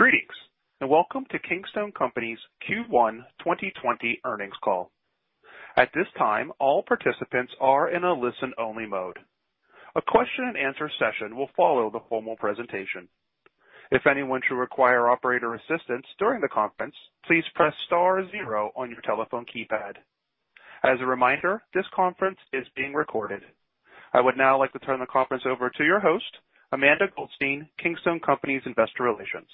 Greetings and welcome to Kingstone Companies Q1 2020 earnings call. At this time, all participants are in a listen-only mode. A question-and-answer session will follow the formal presentation. If anyone should require operator assistance during the conference, please press star zero on your telephone keypad. As a reminder, this conference is being recorded. I would now like to turn the conference over to your host, Amanda Goldstein, Kingstone Companies Investor Relations.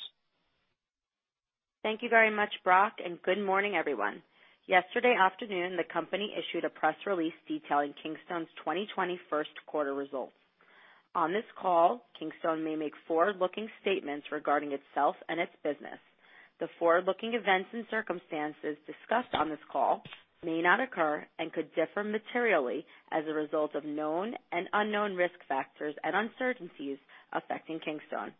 Thank you very much, Brock, and good morning, everyone. Yesterday afternoon, the company issued a press release detailing Kingstone's 2020 first quarter results. On this call, Kingstone may make forward-looking statements regarding itself and its business. The forward-looking events and circumstances discussed on this call may not occur and could differ materially as a result of known and unknown risk factors and uncertainties affecting Kingstone.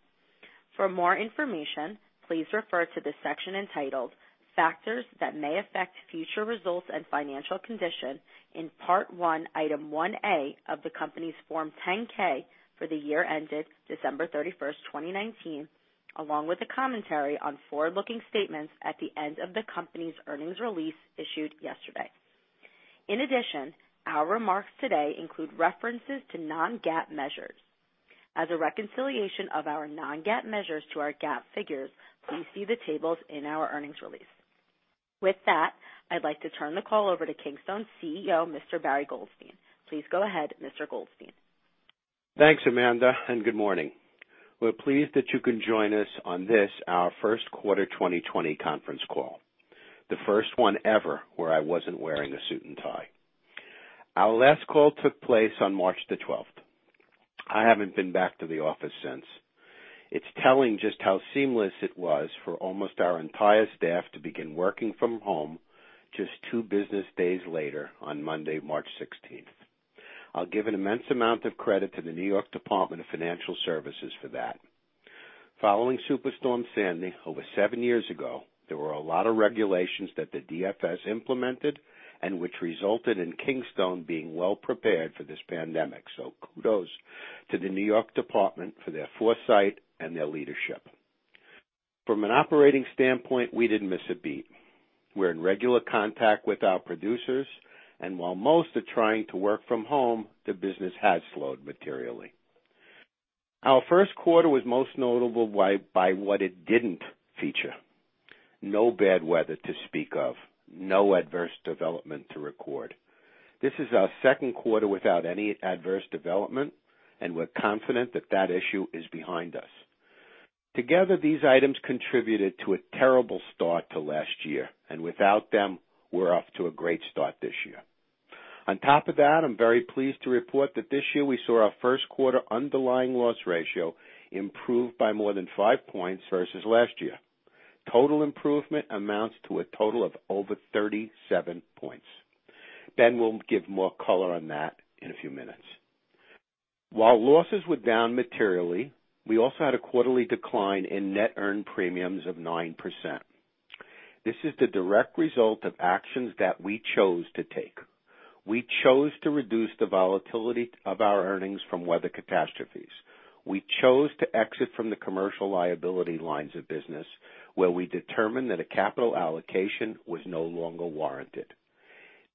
For more information, please refer to the section entitled, "Factors That May Affect Future Results and Financial Condition," in Part I, Item 1A of the company's Form 10-K for the year ended December 31st, 2019, along with a commentary on forward-looking statements at the end of the company's earnings release issued yesterday. In addition, our remarks today include references to non-GAAP measures. As a reconciliation of our non-GAAP measures to our GAAP figures, please see the tables in our earnings release. With that, I'd like to turn the call over to Kingstone's CEO, Mr. Barry Goldstein. Please go ahead, Mr. Goldstein. Thanks, Amanda, and good morning. We're pleased that you can join us on this, our first quarter 2020 conference call. The first one ever where I wasn't wearing a suit and tie. Our last call took place on March the 12th. I haven't been back to the office since. It's telling just how seamless it was for almost our entire staff to begin working from home just two business days later on Monday, March 16th. I'll give an immense amount of credit to the New York Department of Financial Services for that. Following Superstorm Sandy over seven years ago, there were a lot of regulations that the DFS implemented and which resulted in Kingstone being well prepared for this pandemic. So kudos to the New York Department for their foresight and their leadership. From an operating standpoint, we didn't miss a beat. We're in regular contact with our producers, and while most are trying to work from home, the business has slowed materially. Our first quarter was most notable by what it didn't feature. No bad weather to speak of. No adverse development to record. This is our second quarter without any adverse development, and we're confident that that issue is behind us. Together, these items contributed to a terrible start to last year, and without them, we're off to a great start this year. On top of that, I'm very pleased to report that this year we saw our first quarter underlying loss ratio improve by more than five points versus last year. Total improvement amounts to a total of over 37 points. Ben will give more color on that in a few minutes. While losses were down materially, we also had a quarterly decline in net earned premiums of 9%. This is the direct result of actions that we chose to take. We chose to reduce the volatility of our earnings from weather catastrophes. We chose to exit from the commercial liability lines of business where we determined that a capital allocation was no longer warranted.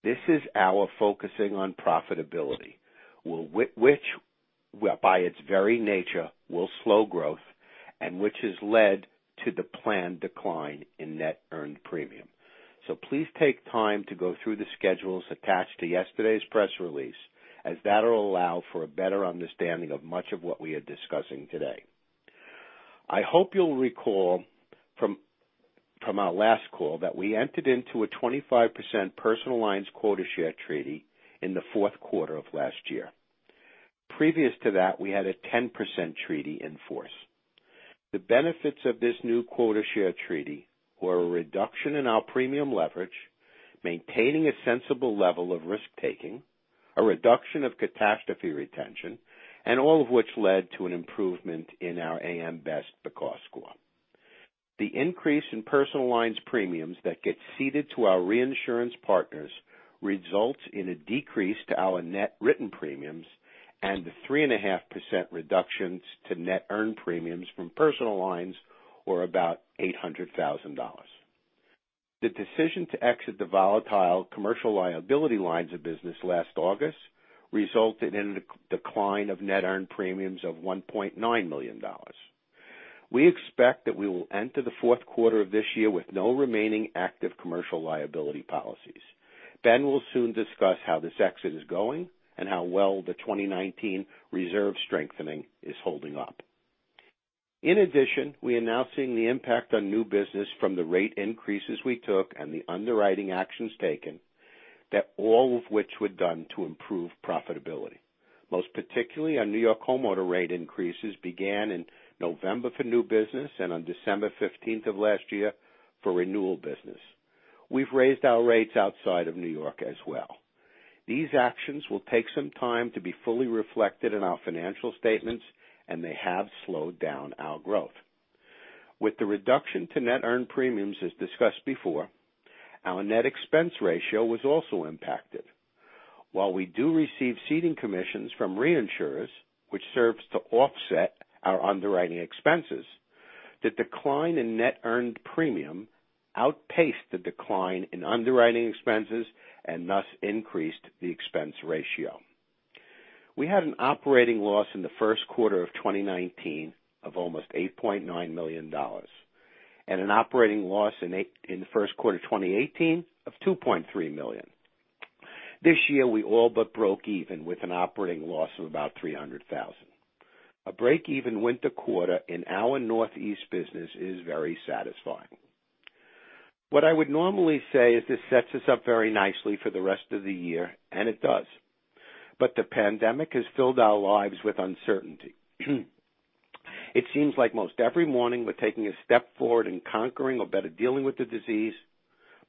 This is our focusing on profitability, which by its very nature will slow growth and which has led to the planned decline in net earned premium. So please take time to go through the schedules attached to yesterday's press release, as that will allow for a better understanding of much of what we are discussing today. I hope you'll recall from our last call that we entered into a 25% personal lines quota share treaty in the fourth quarter of last year. Previous to that, we had a 10% treaty in force. The benefits of this new quota share treaty were a reduction in our premium leverage, maintaining a sensible level of risk-taking, a reduction of catastrophe retention, and all of which led to an improvement in our A.M. Best B++ score. The increase in personal lines premiums that get ceded to our reinsurance partners results in a decrease to our net written premiums and the 3.5% reduction to net earned premiums from personal lines were about $800,000. The decision to exit the volatile commercial liability lines of business last August resulted in a decline of net earned premiums of $1.9 million. We expect that we will enter the fourth quarter of this year with no remaining active commercial liability policies. Ben will soon discuss how this exit is going and how well the 2019 reserve strengthening is holding up. In addition, we are now seeing the impact on new business from the rate increases we took and the underwriting actions taken, all of which were done to improve profitability. Most particularly, our New York homeowners rate increases began in November for new business and on December 15th of last year for renewal business. We've raised our rates outside of New York as well. These actions will take some time to be fully reflected in our financial statements, and they have slowed down our growth. With the reduction to net earned premiums as discussed before, our net expense ratio was also impacted. While we do receive ceding commissions from reinsurers, which serves to offset our underwriting expenses, the decline in net earned premium outpaced the decline in underwriting expenses and thus increased the expense ratio. We had an operating loss in the first quarter of 2019 of almost $8.9 million, and an operating loss in the first quarter of 2018 of $2.3 million. This year, we all but broke even with an operating loss of about $300,000. A break-even winter quarter in our Northeast business is very satisfying. What I would normally say is this sets us up very nicely for the rest of the year, and it does. But the pandemic has filled our lives with uncertainty. It seems like most every morning we're taking a step forward in conquering or better dealing with the disease,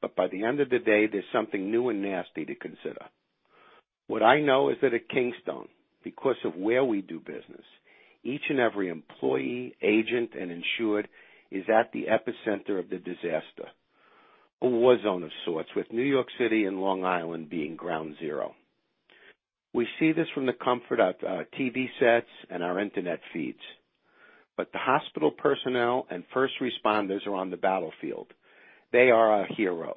but by the end of the day, there's something new and nasty to consider. What I know is that at Kingstone, because of where we do business, each and every employee, agent, and insured is at the epicenter of the disaster, a war zone of sorts, with New York City and Long Island being ground zero. We see this from the comfort of our TV sets and our internet feeds. But the hospital personnel and first responders are on the battlefield. They are our heroes.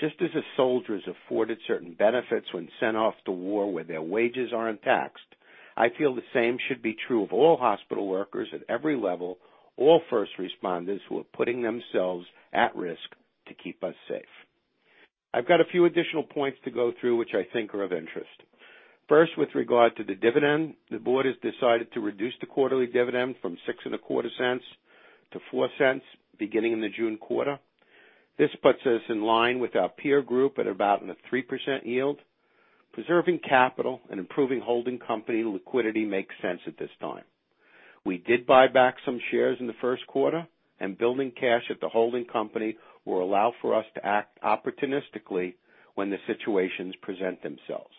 Just as the soldiers afforded certain benefits when sent off to war where their wages aren't taxed, I feel the same should be true of all hospital workers at every level, all first responders who are putting themselves at risk to keep us safe. I've got a few additional points to go through which I think are of interest. First, with regard to the dividend, the board has decided to reduce the quarterly dividend from $0.0625 to $0.04 beginning in the June quarter. This puts us in line with our peer group at about a 3% yield. Preserving capital and improving holding company liquidity makes sense at this time. We did buy back some shares in the first quarter, and building cash at the holding company will allow for us to act opportunistically when the situations present themselves.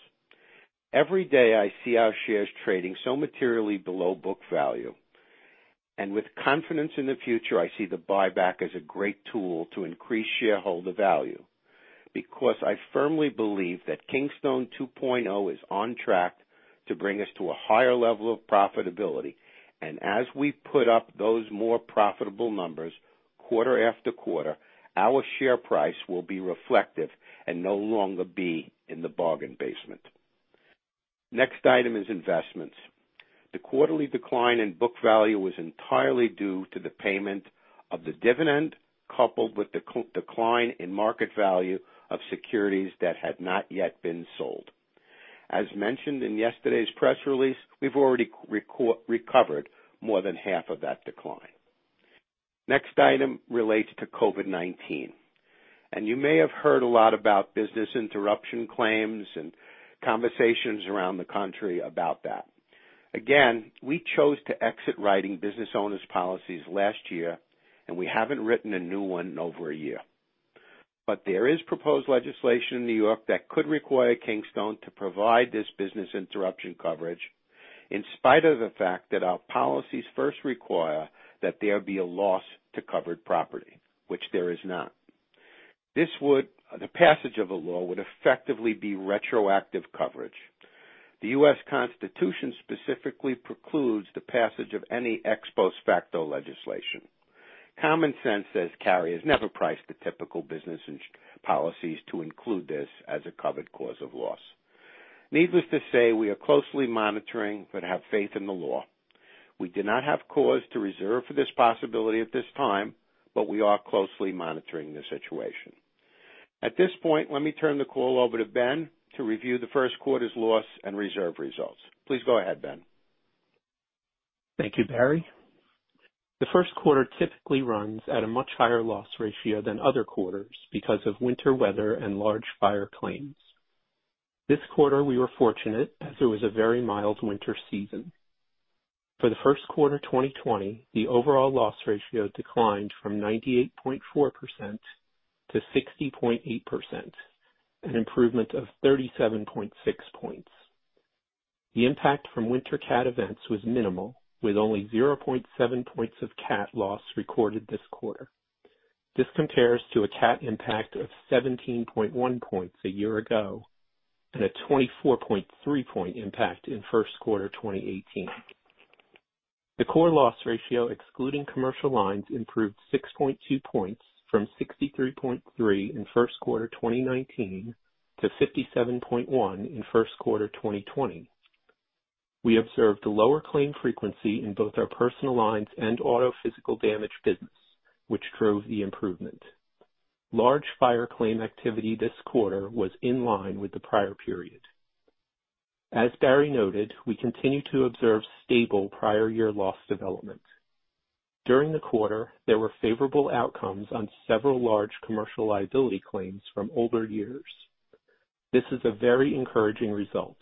Every day, I see our shares trading so materially below book value, and with confidence in the future, I see the buyback as a great tool to increase shareholder value because I firmly believe that Kingstone 2.0 is on track to bring us to a higher level of profitability. As we put up those more profitable numbers quarter-after-quarter, our share price will be reflective and no longer be in the bargain basement. Next item is investments. The quarterly decline in book value was entirely due to the payment of the dividend coupled with the decline in market value of securities that had not yet been sold. As mentioned in yesterday's press release, we've already recovered more than half of that decline. Next item relates to COVID-19. You may have heard a lot about business interruption claims and conversations around the country about that. Again, we chose to exit writing business owners' policies last year, and we haven't written a new one in over a year. But there is proposed legislation in New York that could require Kingstone to provide this business interruption coverage in spite of the fact that our policies first require that there be a loss to covered property, which there is not. The passage of a law would effectively be retroactive coverage. The U.S. Constitution specifically precludes the passage of any ex post facto legislation. Common sense says, "Carriers have never priced into the typical business policies to include this as a covered cause of loss." Needless to say, we are closely monitoring but have faith in the law. We do not have cause to reserve for this possibility at this time, but we are closely monitoring the situation. At this point, let me turn the call over to Ben to review the first quarter's loss and reserve results. Please go ahead, Ben. Thank you, Barry. The first quarter typically runs at a much higher loss ratio than other quarters because of winter weather and large fire claims. This quarter, we were fortunate as it was a very mild winter season. For the first quarter 2020, the overall loss ratio declined from 98.4% to 60.8%, an improvement of 37.6 points. The impact from winter CAT events was minimal, with only 0.7 points of CAT loss recorded this quarter. This compares to a CAT impact of 17.1 points a year ago and a 24.3 point impact in first quarter 2018. The core loss ratio, excluding commercial lines, improved 6.2 points from 63.3 in first quarter 2019 to 57.1 in first quarter 2020. We observed a lower claim frequency in both our personal lines and auto physical damage business, which drove the improvement. Large fire claim activity this quarter was in line with the prior period. As Barry noted, we continue to observe stable prior year loss development. During the quarter, there were favorable outcomes on several large commercial liability claims from older years. This is a very encouraging result.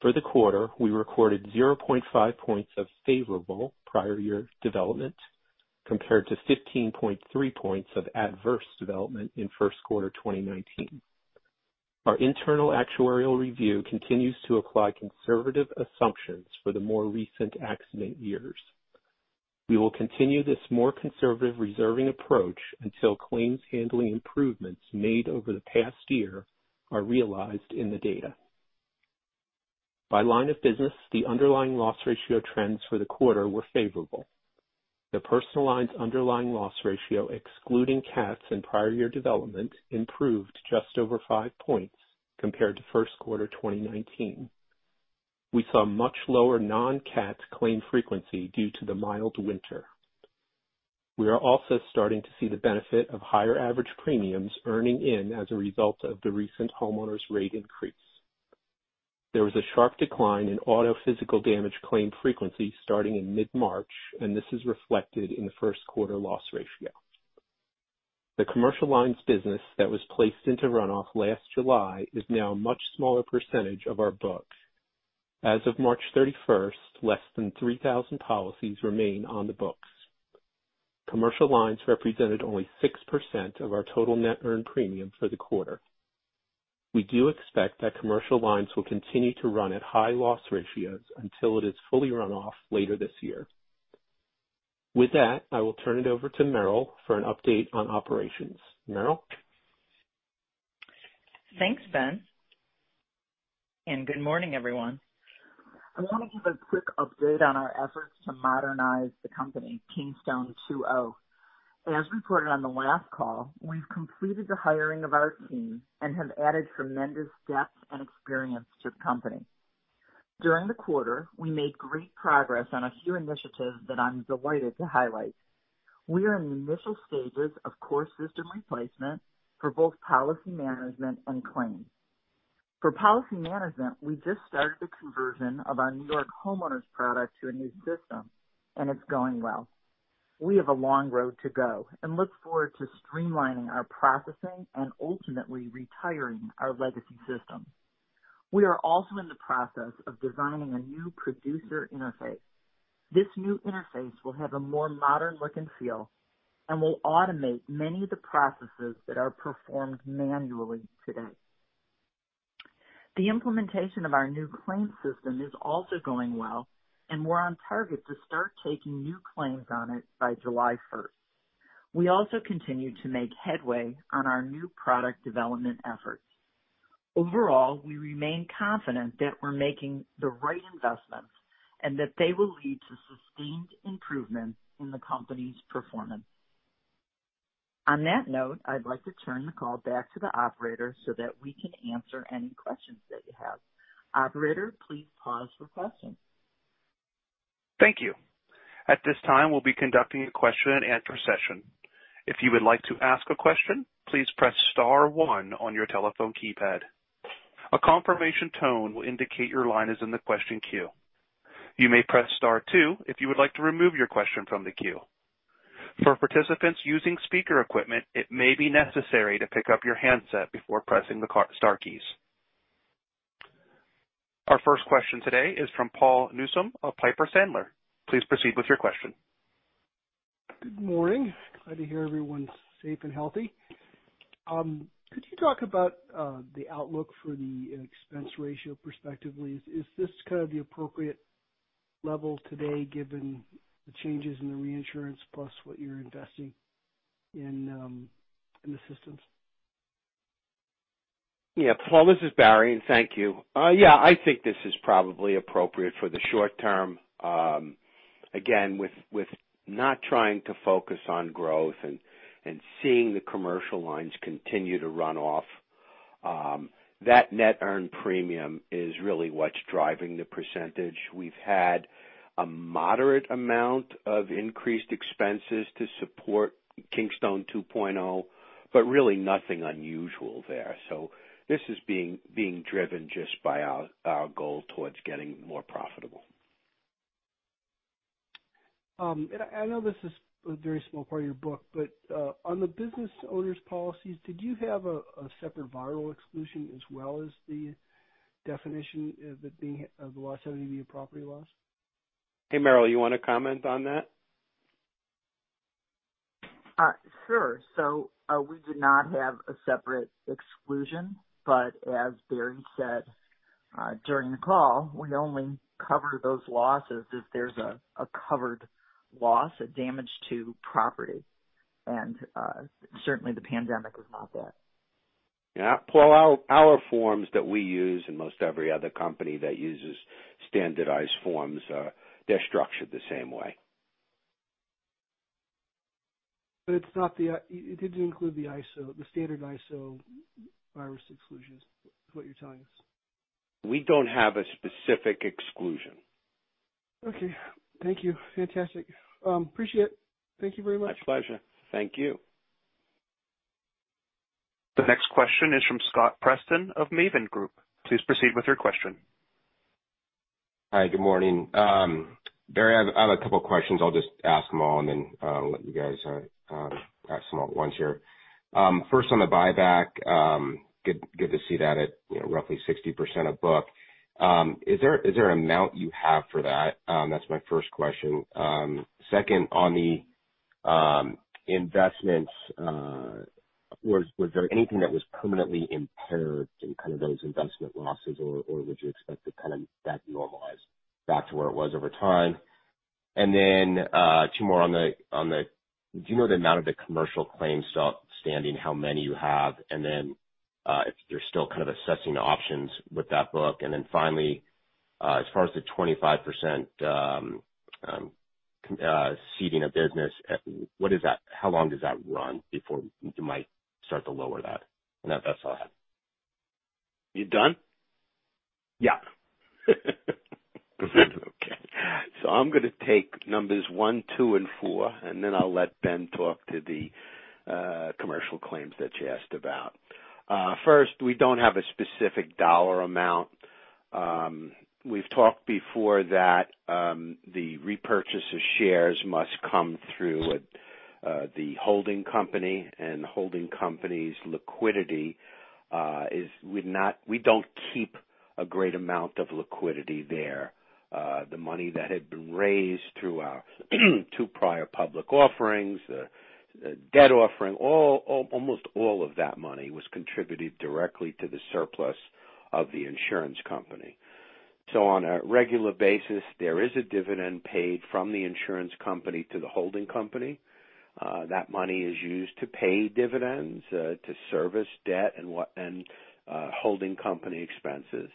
For the quarter, we recorded 0.5 points of favorable prior year development compared to 15.3 points of adverse development in first quarter 2019. Our internal actuarial review continues to apply conservative assumptions for the more recent accident years. We will continue this more conservative reserving approach until claims handling improvements made over the past year are realized in the data. By line of business, the underlying loss ratio trends for the quarter were favorable. The personal lines underlying loss ratio, excluding CATs and prior year development, improved just over five points compared to first quarter 2019. We saw much lower non-CAT claim frequency due to the mild winter. We are also starting to see the benefit of higher average premiums earning in as a result of the recent homeowners' rate increase. There was a sharp decline in auto physical damage claim frequency starting in mid-March, and this is reflected in the first quarter loss ratio. The commercial lines business that was placed into runoff last July is now a much smaller percentage of our books. As of March 31st, less than 3,000 policies remain on the books. Commercial lines represented only 6% of our total net earned premium for the quarter. We do expect that commercial lines will continue to run at high loss ratios until it is fully run off later this year. With that, I will turn it over to Meryl for an update on operations. Meryl? Thanks, Ben. Good morning, everyone. I want to give a quick update on our efforts to modernize the company, Kingstone 2.0. As reported on the last call, we've completed the hiring of our team and have added tremendous depth and experience to the company. During the quarter, we made great progress on a few initiatives that I'm delighted to highlight. We are in the initial stages of core system replacement for both policy management and claims. For policy management, we just started the conversion of our New York homeowners' product to a new system, and it's going well. We have a long road to go and look forward to streamlining our processing and ultimately retiring our legacy system. We are also in the process of designing a new producer interface. This new interface will have a more modern look and feel and will automate many of the processes that are performed manually today. The implementation of our new claim system is also going well, and we're on target to start taking new claims on it by July 1st. We also continue to make headway on our new product development efforts. Overall, we remain confident that we're making the right investments and that they will lead to sustained improvement in the company's performance. On that note, I'd like to turn the call back to the operator so that we can answer any questions that you have. Operator, please pause for questions. Thank you. At this time, we'll be conducting a question and answer session. If you would like to ask a question, please press star one on your telephone keypad. A confirmation tone will indicate your line is in the question queue. You may press star two if you would like to remove your question from the queue. For participants using speaker equipment, it may be necessary to pick up your handset before pressing the star keys. Our first question today is from Paul Newsome of Piper Sandler. Please proceed with your question. Good morning. Glad to hear everyone's safe and healthy. Could you talk about the outlook for the expense ratio prospectively? Is this kind of the appropriate level today given the changes in the reinsurance plus what you're investing in the systems? Yeah. Paul, this is Barry, and thank you. Yeah, I think this is probably appropriate for the short term. Again, with not trying to focus on growth and seeing the commercial lines continue to run off, that net earned premium is really what's driving the percentage. We've had a moderate amount of increased expenses to support Kingstone 2.0, but really nothing unusual there. So this is being driven just by our goal towards getting more profitable. I know this is a very small part of your book, but on the business owners' policies, did you have a separate virus exclusion as well as the definition of the loss having to be a property loss? Hey, Meryl, you want to comment on that? Sure, so we do not have a separate exclusion, but as Barry said during the call, we only cover those losses if there's a covered loss, a damage to property, and certainly, the pandemic is not that. Yeah. Well, our forms that we use and most every other company that uses standardized forms, they're structured the same way. But it didn't include the ISO, the standard ISO virus exclusions, is what you're telling us? We don't have a specific exclusion. Okay. Thank you. Fantastic. Appreciate it. Thank you very much. My pleasure. Thank you. The next question is from Scott Preston of Maven Group. Please proceed with your question. Hi, good morning. Barry, I have a couple of questions. I'll just ask them all and then let you guys ask them all at once here. First, on the buyback, good to see that at roughly 60% of book. Is there an amount you have for that? That's my first question. Second, on the investments, was there anything that was permanently impaired in kind of those investment losses, or would you expect that kind of that normalized back to where it was over time? And then two more on the do you know the amount of the commercial claims standing, how many you have, and then if you're still kind of assessing options with that book? And then finally, as far as the 25% ceding of business, how long does that run before you might start to lower that? And that's all I have. You done? Yeah. Okay. So I'm going to take numbers one, two, and four, and then I'll let Ben talk to the commercial claims that you asked about. First, we don't have a specific dollar amount. We've talked before that the repurchase of shares must come through the holding company, and the holding company's liquidity is we don't keep a great amount of liquidity there. The money that had been raised through our two prior public offerings, the debt offering, almost all of that money was contributed directly to the surplus of the insurance company. So on a regular basis, there is a dividend paid from the insurance company to the holding company. That money is used to pay dividends to service debt and holding company expenses.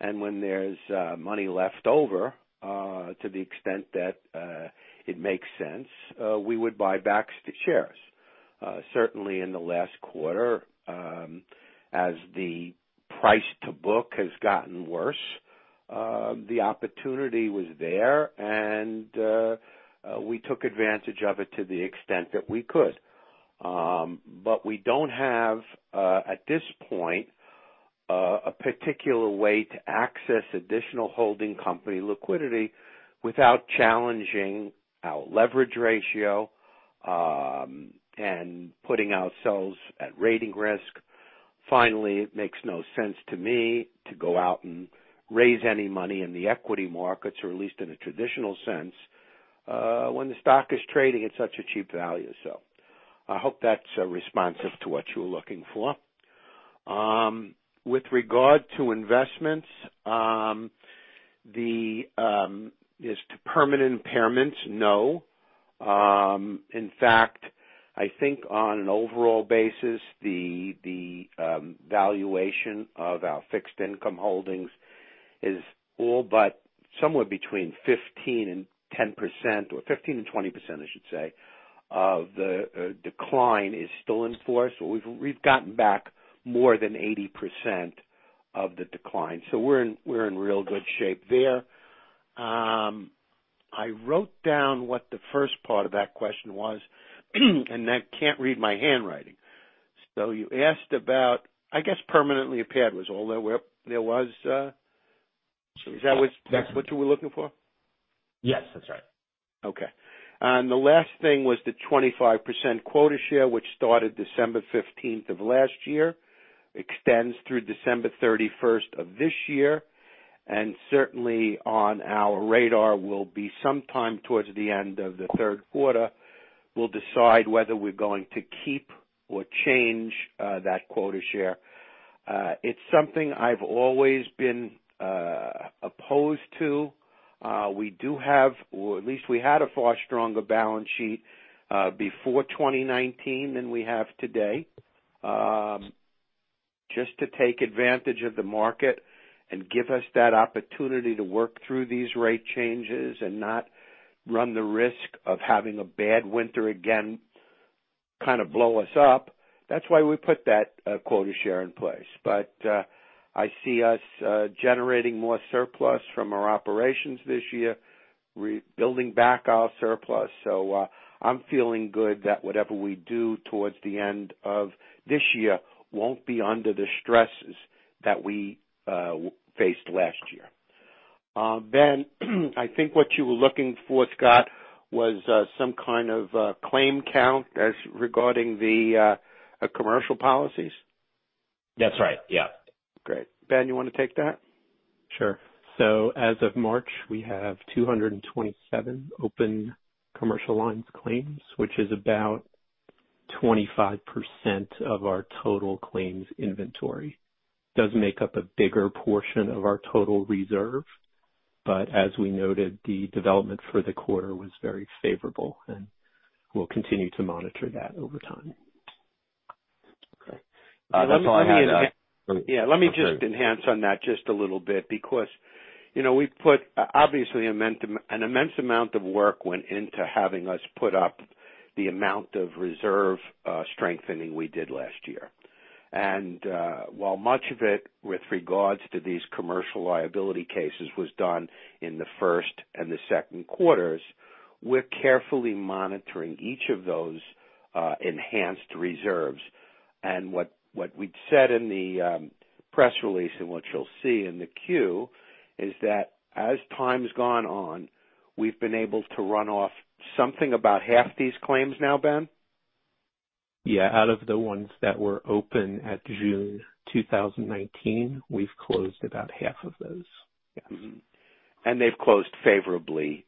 And when there's money left over to the extent that it makes sense, we would buy back shares. Certainly, in the last quarter, as the price to book has gotten worse, the opportunity was there, and we took advantage of it to the extent that we could. But we don't have, at this point, a particular way to access additional holding company liquidity without challenging our leverage ratio and putting ourselves at rating risk. Finally, it makes no sense to me to go out and raise any money in the equity markets, or at least in a traditional sense, when the stock is trading at such a cheap value. So I hope that's responsive to what you're looking for. With regard to investments, is to permanent impairments? No. In fact, I think on an overall basis, the valuation of our fixed income holdings is all but somewhere between 15%-10%, or 15%-20%, I should say, of the decline is still in force. We've gotten back more than 80% of the decline. So we're in real good shape there. I wrote down what the first part of that question was, and I can't read my handwriting. So you asked about, I guess, permanently impaired was all there was. Is that what you were looking for? Yes, that's right. Okay. And the last thing was the 25% quota share, which started December 15th of last year, extends through December 31st of this year. And certainly, on our radar, will be sometime towards the end of the third quarter. We'll decide whether we're going to keep or change that quota share. It's something I've always been opposed to. We do have, or at least we had, a far stronger balance sheet before 2019 than we have today. Just to take advantage of the market and give us that opportunity to work through these rate changes and not run the risk of having a bad winter again kind of blow us up. That's why we put that quota share in place. But I see us generating more surplus from our operations this year, rebuilding back our surplus. So I'm feeling good that whatever we do towards the end of this year won't be under the stresses that we faced last year. Ben, I think what you were looking for, Scott, was some kind of claim count regarding the commercial policies? That's right. Yeah. Great. Ben, you want to take that? Sure. So as of March, we have 227 open commercial lines claims, which is about 25% of our total claims inventory. Does make up a bigger portion of our total reserve, but as we noted, the development for the quarter was very favorable, and we'll continue to monitor that over time. Okay. That's all I have. Yeah. Let me just expand on that just a little bit because we put, obviously, an immense amount of work went into having us put up the amount of reserve strengthening we did last year. And while much of it with regards to these commercial liability cases was done in the first and the second quarters, we're carefully monitoring each of those enhanced reserves. And what we'd said in the press release and what you'll see in the Q is that as time's gone on, we've been able to run off something about half these claims now, Ben? Yeah. Out of the ones that were open at June 2019, we've closed about half of those. Yes. They've closed favorably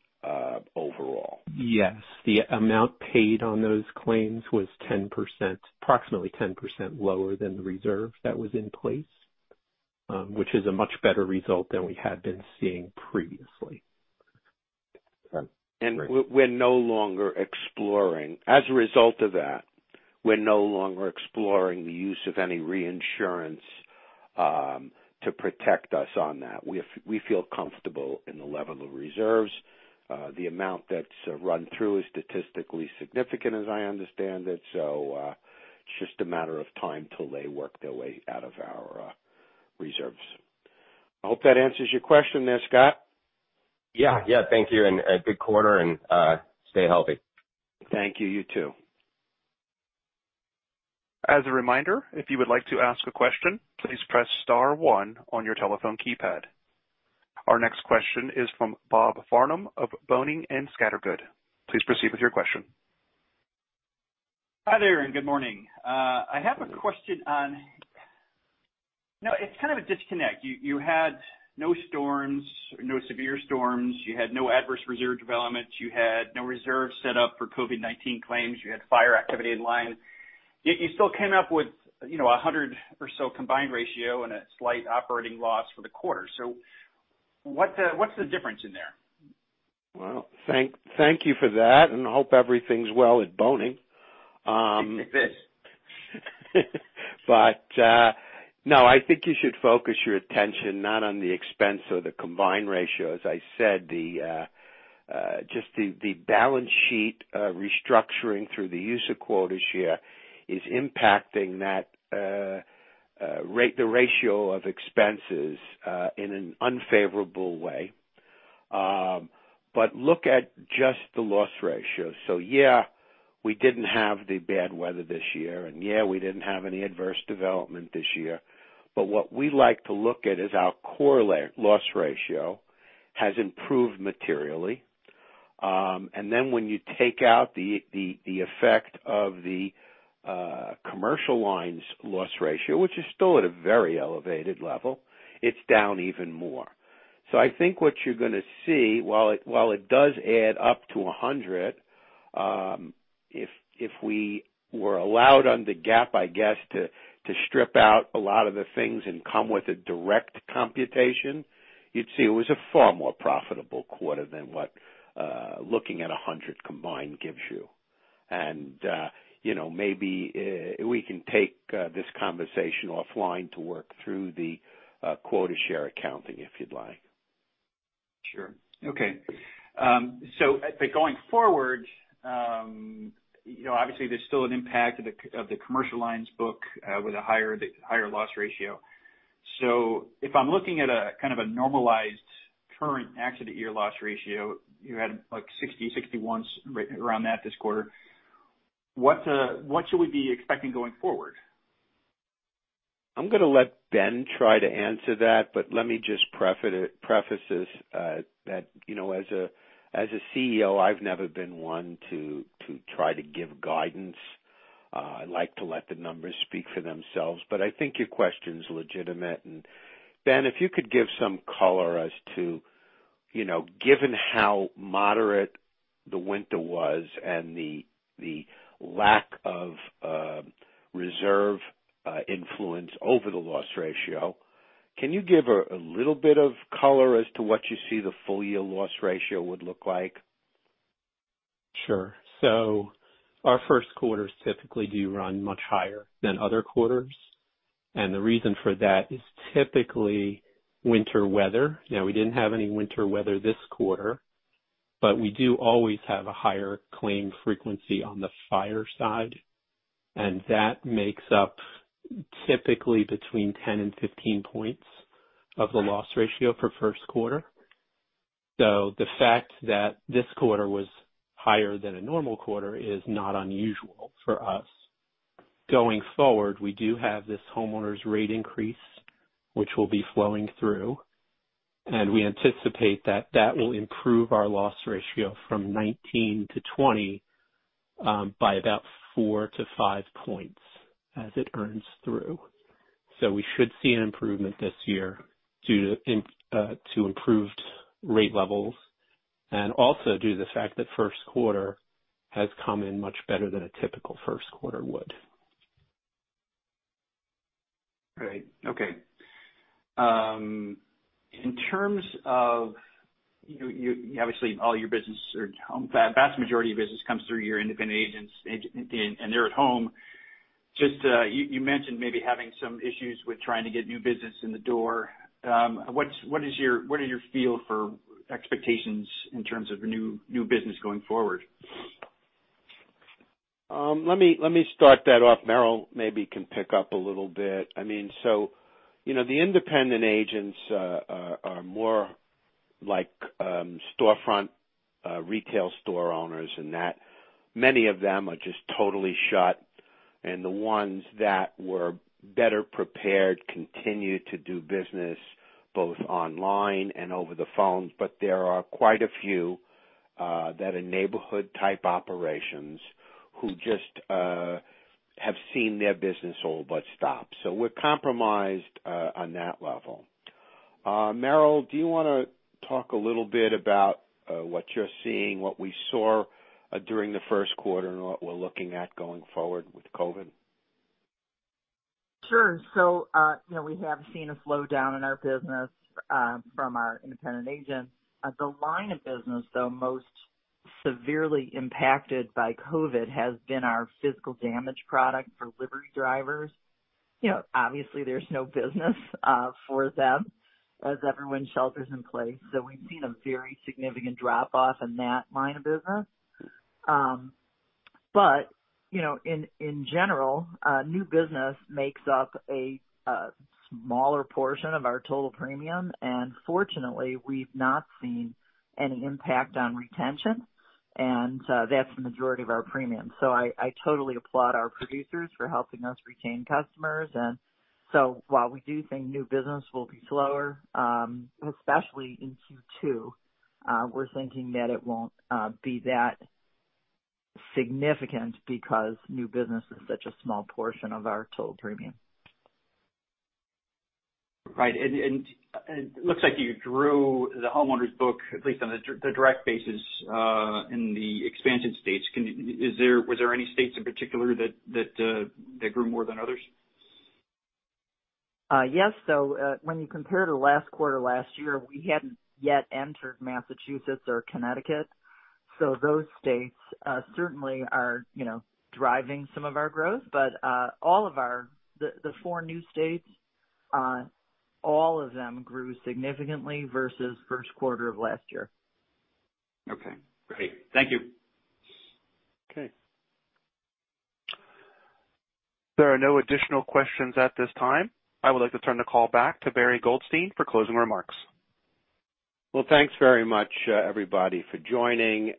overall? Yes. The amount paid on those claims was approximately 10% lower than the reserve that was in place, which is a much better result than we had been seeing previously. We're no longer exploring as a result of that, we're no longer exploring the use of any reinsurance to protect us on that. We feel comfortable in the level of reserves. The amount that's run through is statistically significant, as I understand it. It's just a matter of time till they work their way out of our reserves. I hope that answers your question there, Scott. Yeah. Yeah. Thank you and a good quarter and stay healthy. Thank you. You too. As a reminder, if you would like to ask a question, please press star one on your telephone keypad. Our next question is from Bob Farnham of Boenning & Scattergood. Please proceed with your question. Hi there, and good morning. I have a question on it. It's kind of a disconnect. You had no storms, no severe storms. You had no adverse reserve developments. You had no reserves set up for COVID-19 claims. You had fire activity in line. You still came up with a 100 or so combined ratio and a slight operating loss for the quarter. So what's the difference in there? Thank you for that, and I hope everything's well at Boenning. It is. But no, I think you should focus your attention not on the expense or the combined ratio. As I said, just the balance sheet restructuring through the use of quota share is impacting the expense ratio in an unfavorable way. But look at just the loss ratio. So yeah, we didn't have the bad weather this year, and yeah, we didn't have any adverse development this year. But what we like to look at is our core loss ratio has improved materially. And then when you take out the effect of the commercial lines loss ratio, which is still at a very elevated level, it's down even more. So I think what you're going to see, while it does add up to 100, if we were allowed on the GAAP, I guess, to strip out a lot of the things and come with a direct computation, you'd see it was a far more profitable quarter than what looking at 100 combined gives you. And maybe we can take this conversation offline to work through the quota share accounting if you'd like. Sure. Okay, so going forward, obviously, there's still an impact of the commercial lines book with a higher loss ratio. So, if I'm looking at a kind of a normalized current accident year loss ratio, you had like 60%-61% around that this quarter, what should we be expecting going forward? I'm going to let Ben try to answer that, but let me just preface this that as a CEO, I've never been one to try to give guidance. I like to let the numbers speak for themselves, but I think your question's legitimate, and Ben, if you could give some color as to given how moderate the winter was and the lack of reserve influence over the loss ratio, can you give a little bit of color as to what you see the full year loss ratio would look like? Sure. So our first quarters typically do run much higher than other quarters. And the reason for that is typically winter weather. Now, we didn't have any winter weather this quarter, but we do always have a higher claim frequency on the fire side. And that makes up typically between 10 points and 15 points of the loss ratio for first quarter. So the fact that this quarter was higher than a normal quarter is not unusual for us. Going forward, we do have this homeowners rate increase, which will be flowing through. And we anticipate that that will improve our loss ratio from 19 to 20 by about four to five points as it earns through. So we should see an improvement this year due to improved rate levels and also due to the fact that first quarter has come in much better than a typical first quarter would. Right. Okay. In terms of obviously, all your business or vast majority of business comes through your independent agents, and they're at home. Just you mentioned maybe having some issues with trying to get new business in the door. What is your feel for expectations in terms of new business going forward? Let me start that off. Meryl maybe can pick up a little bit. I mean, so the independent agents are more like storefront retail store owners in that many of them are just totally shut, and the ones that were better prepared continue to do business both online and over the phone, but there are quite a few that are neighborhood-type operations who just have seen their business all but stop, so we're compromised on that level. Meryl, do you want to talk a little bit about what you're seeing, what we saw during the first quarter, and what we're looking at going forward with COVID? Sure. So we have seen a slowdown in our business from our independent agents. The line of business, though, most severely impacted by COVID has been our physical damage product for livery drivers. Obviously, there's no business for them as everyone shelters in place. So we've seen a very significant drop-off in that line of business. But in general, new business makes up a smaller portion of our total premium. And fortunately, we've not seen any impact on retention, and that's the majority of our premium. So I totally applaud our producers for helping us retain customers. And so while we do think new business will be slower, especially in Q2, we're thinking that it won't be that significant because new business is such a small portion of our total premium. Right. And it looks like you grew the homeowners book, at least on the direct basis in the expansion states. Was there any states in particular that grew more than others? Yes. So when you compare to last quarter last year, we hadn't yet entered Massachusetts or Connecticut. So those states certainly are driving some of our growth. But all of our four new states, all of them grew significantly versus first quarter of last year. Okay. Great. Thank you. Okay. There are no additional questions at this time. I would like to turn the call back to Barry Goldstein for closing remarks. Thanks very much, everybody, for joining.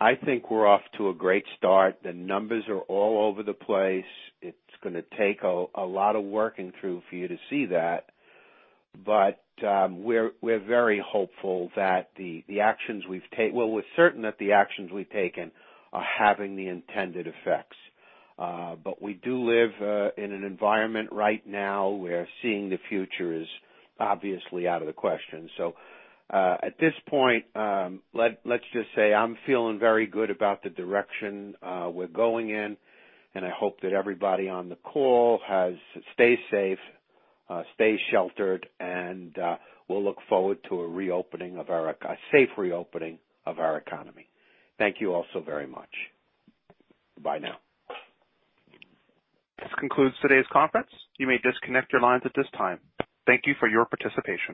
I think we're off to a great start. The numbers are all over the place. It's going to take a lot of working through for you to see that. We're very hopeful. We're certain that the actions we've taken are having the intended effects. We do live in an environment right now where seeing the future is obviously out of the question. At this point, let's just say I'm feeling very good about the direction we're going in. I hope that everybody on the call has stayed safe, stayed sheltered, and we'll look forward to a safe reopening of our economy. Thank you all so very much. Bye now. This concludes today's conference. You may disconnect your lines at this time. Thank you for your participation.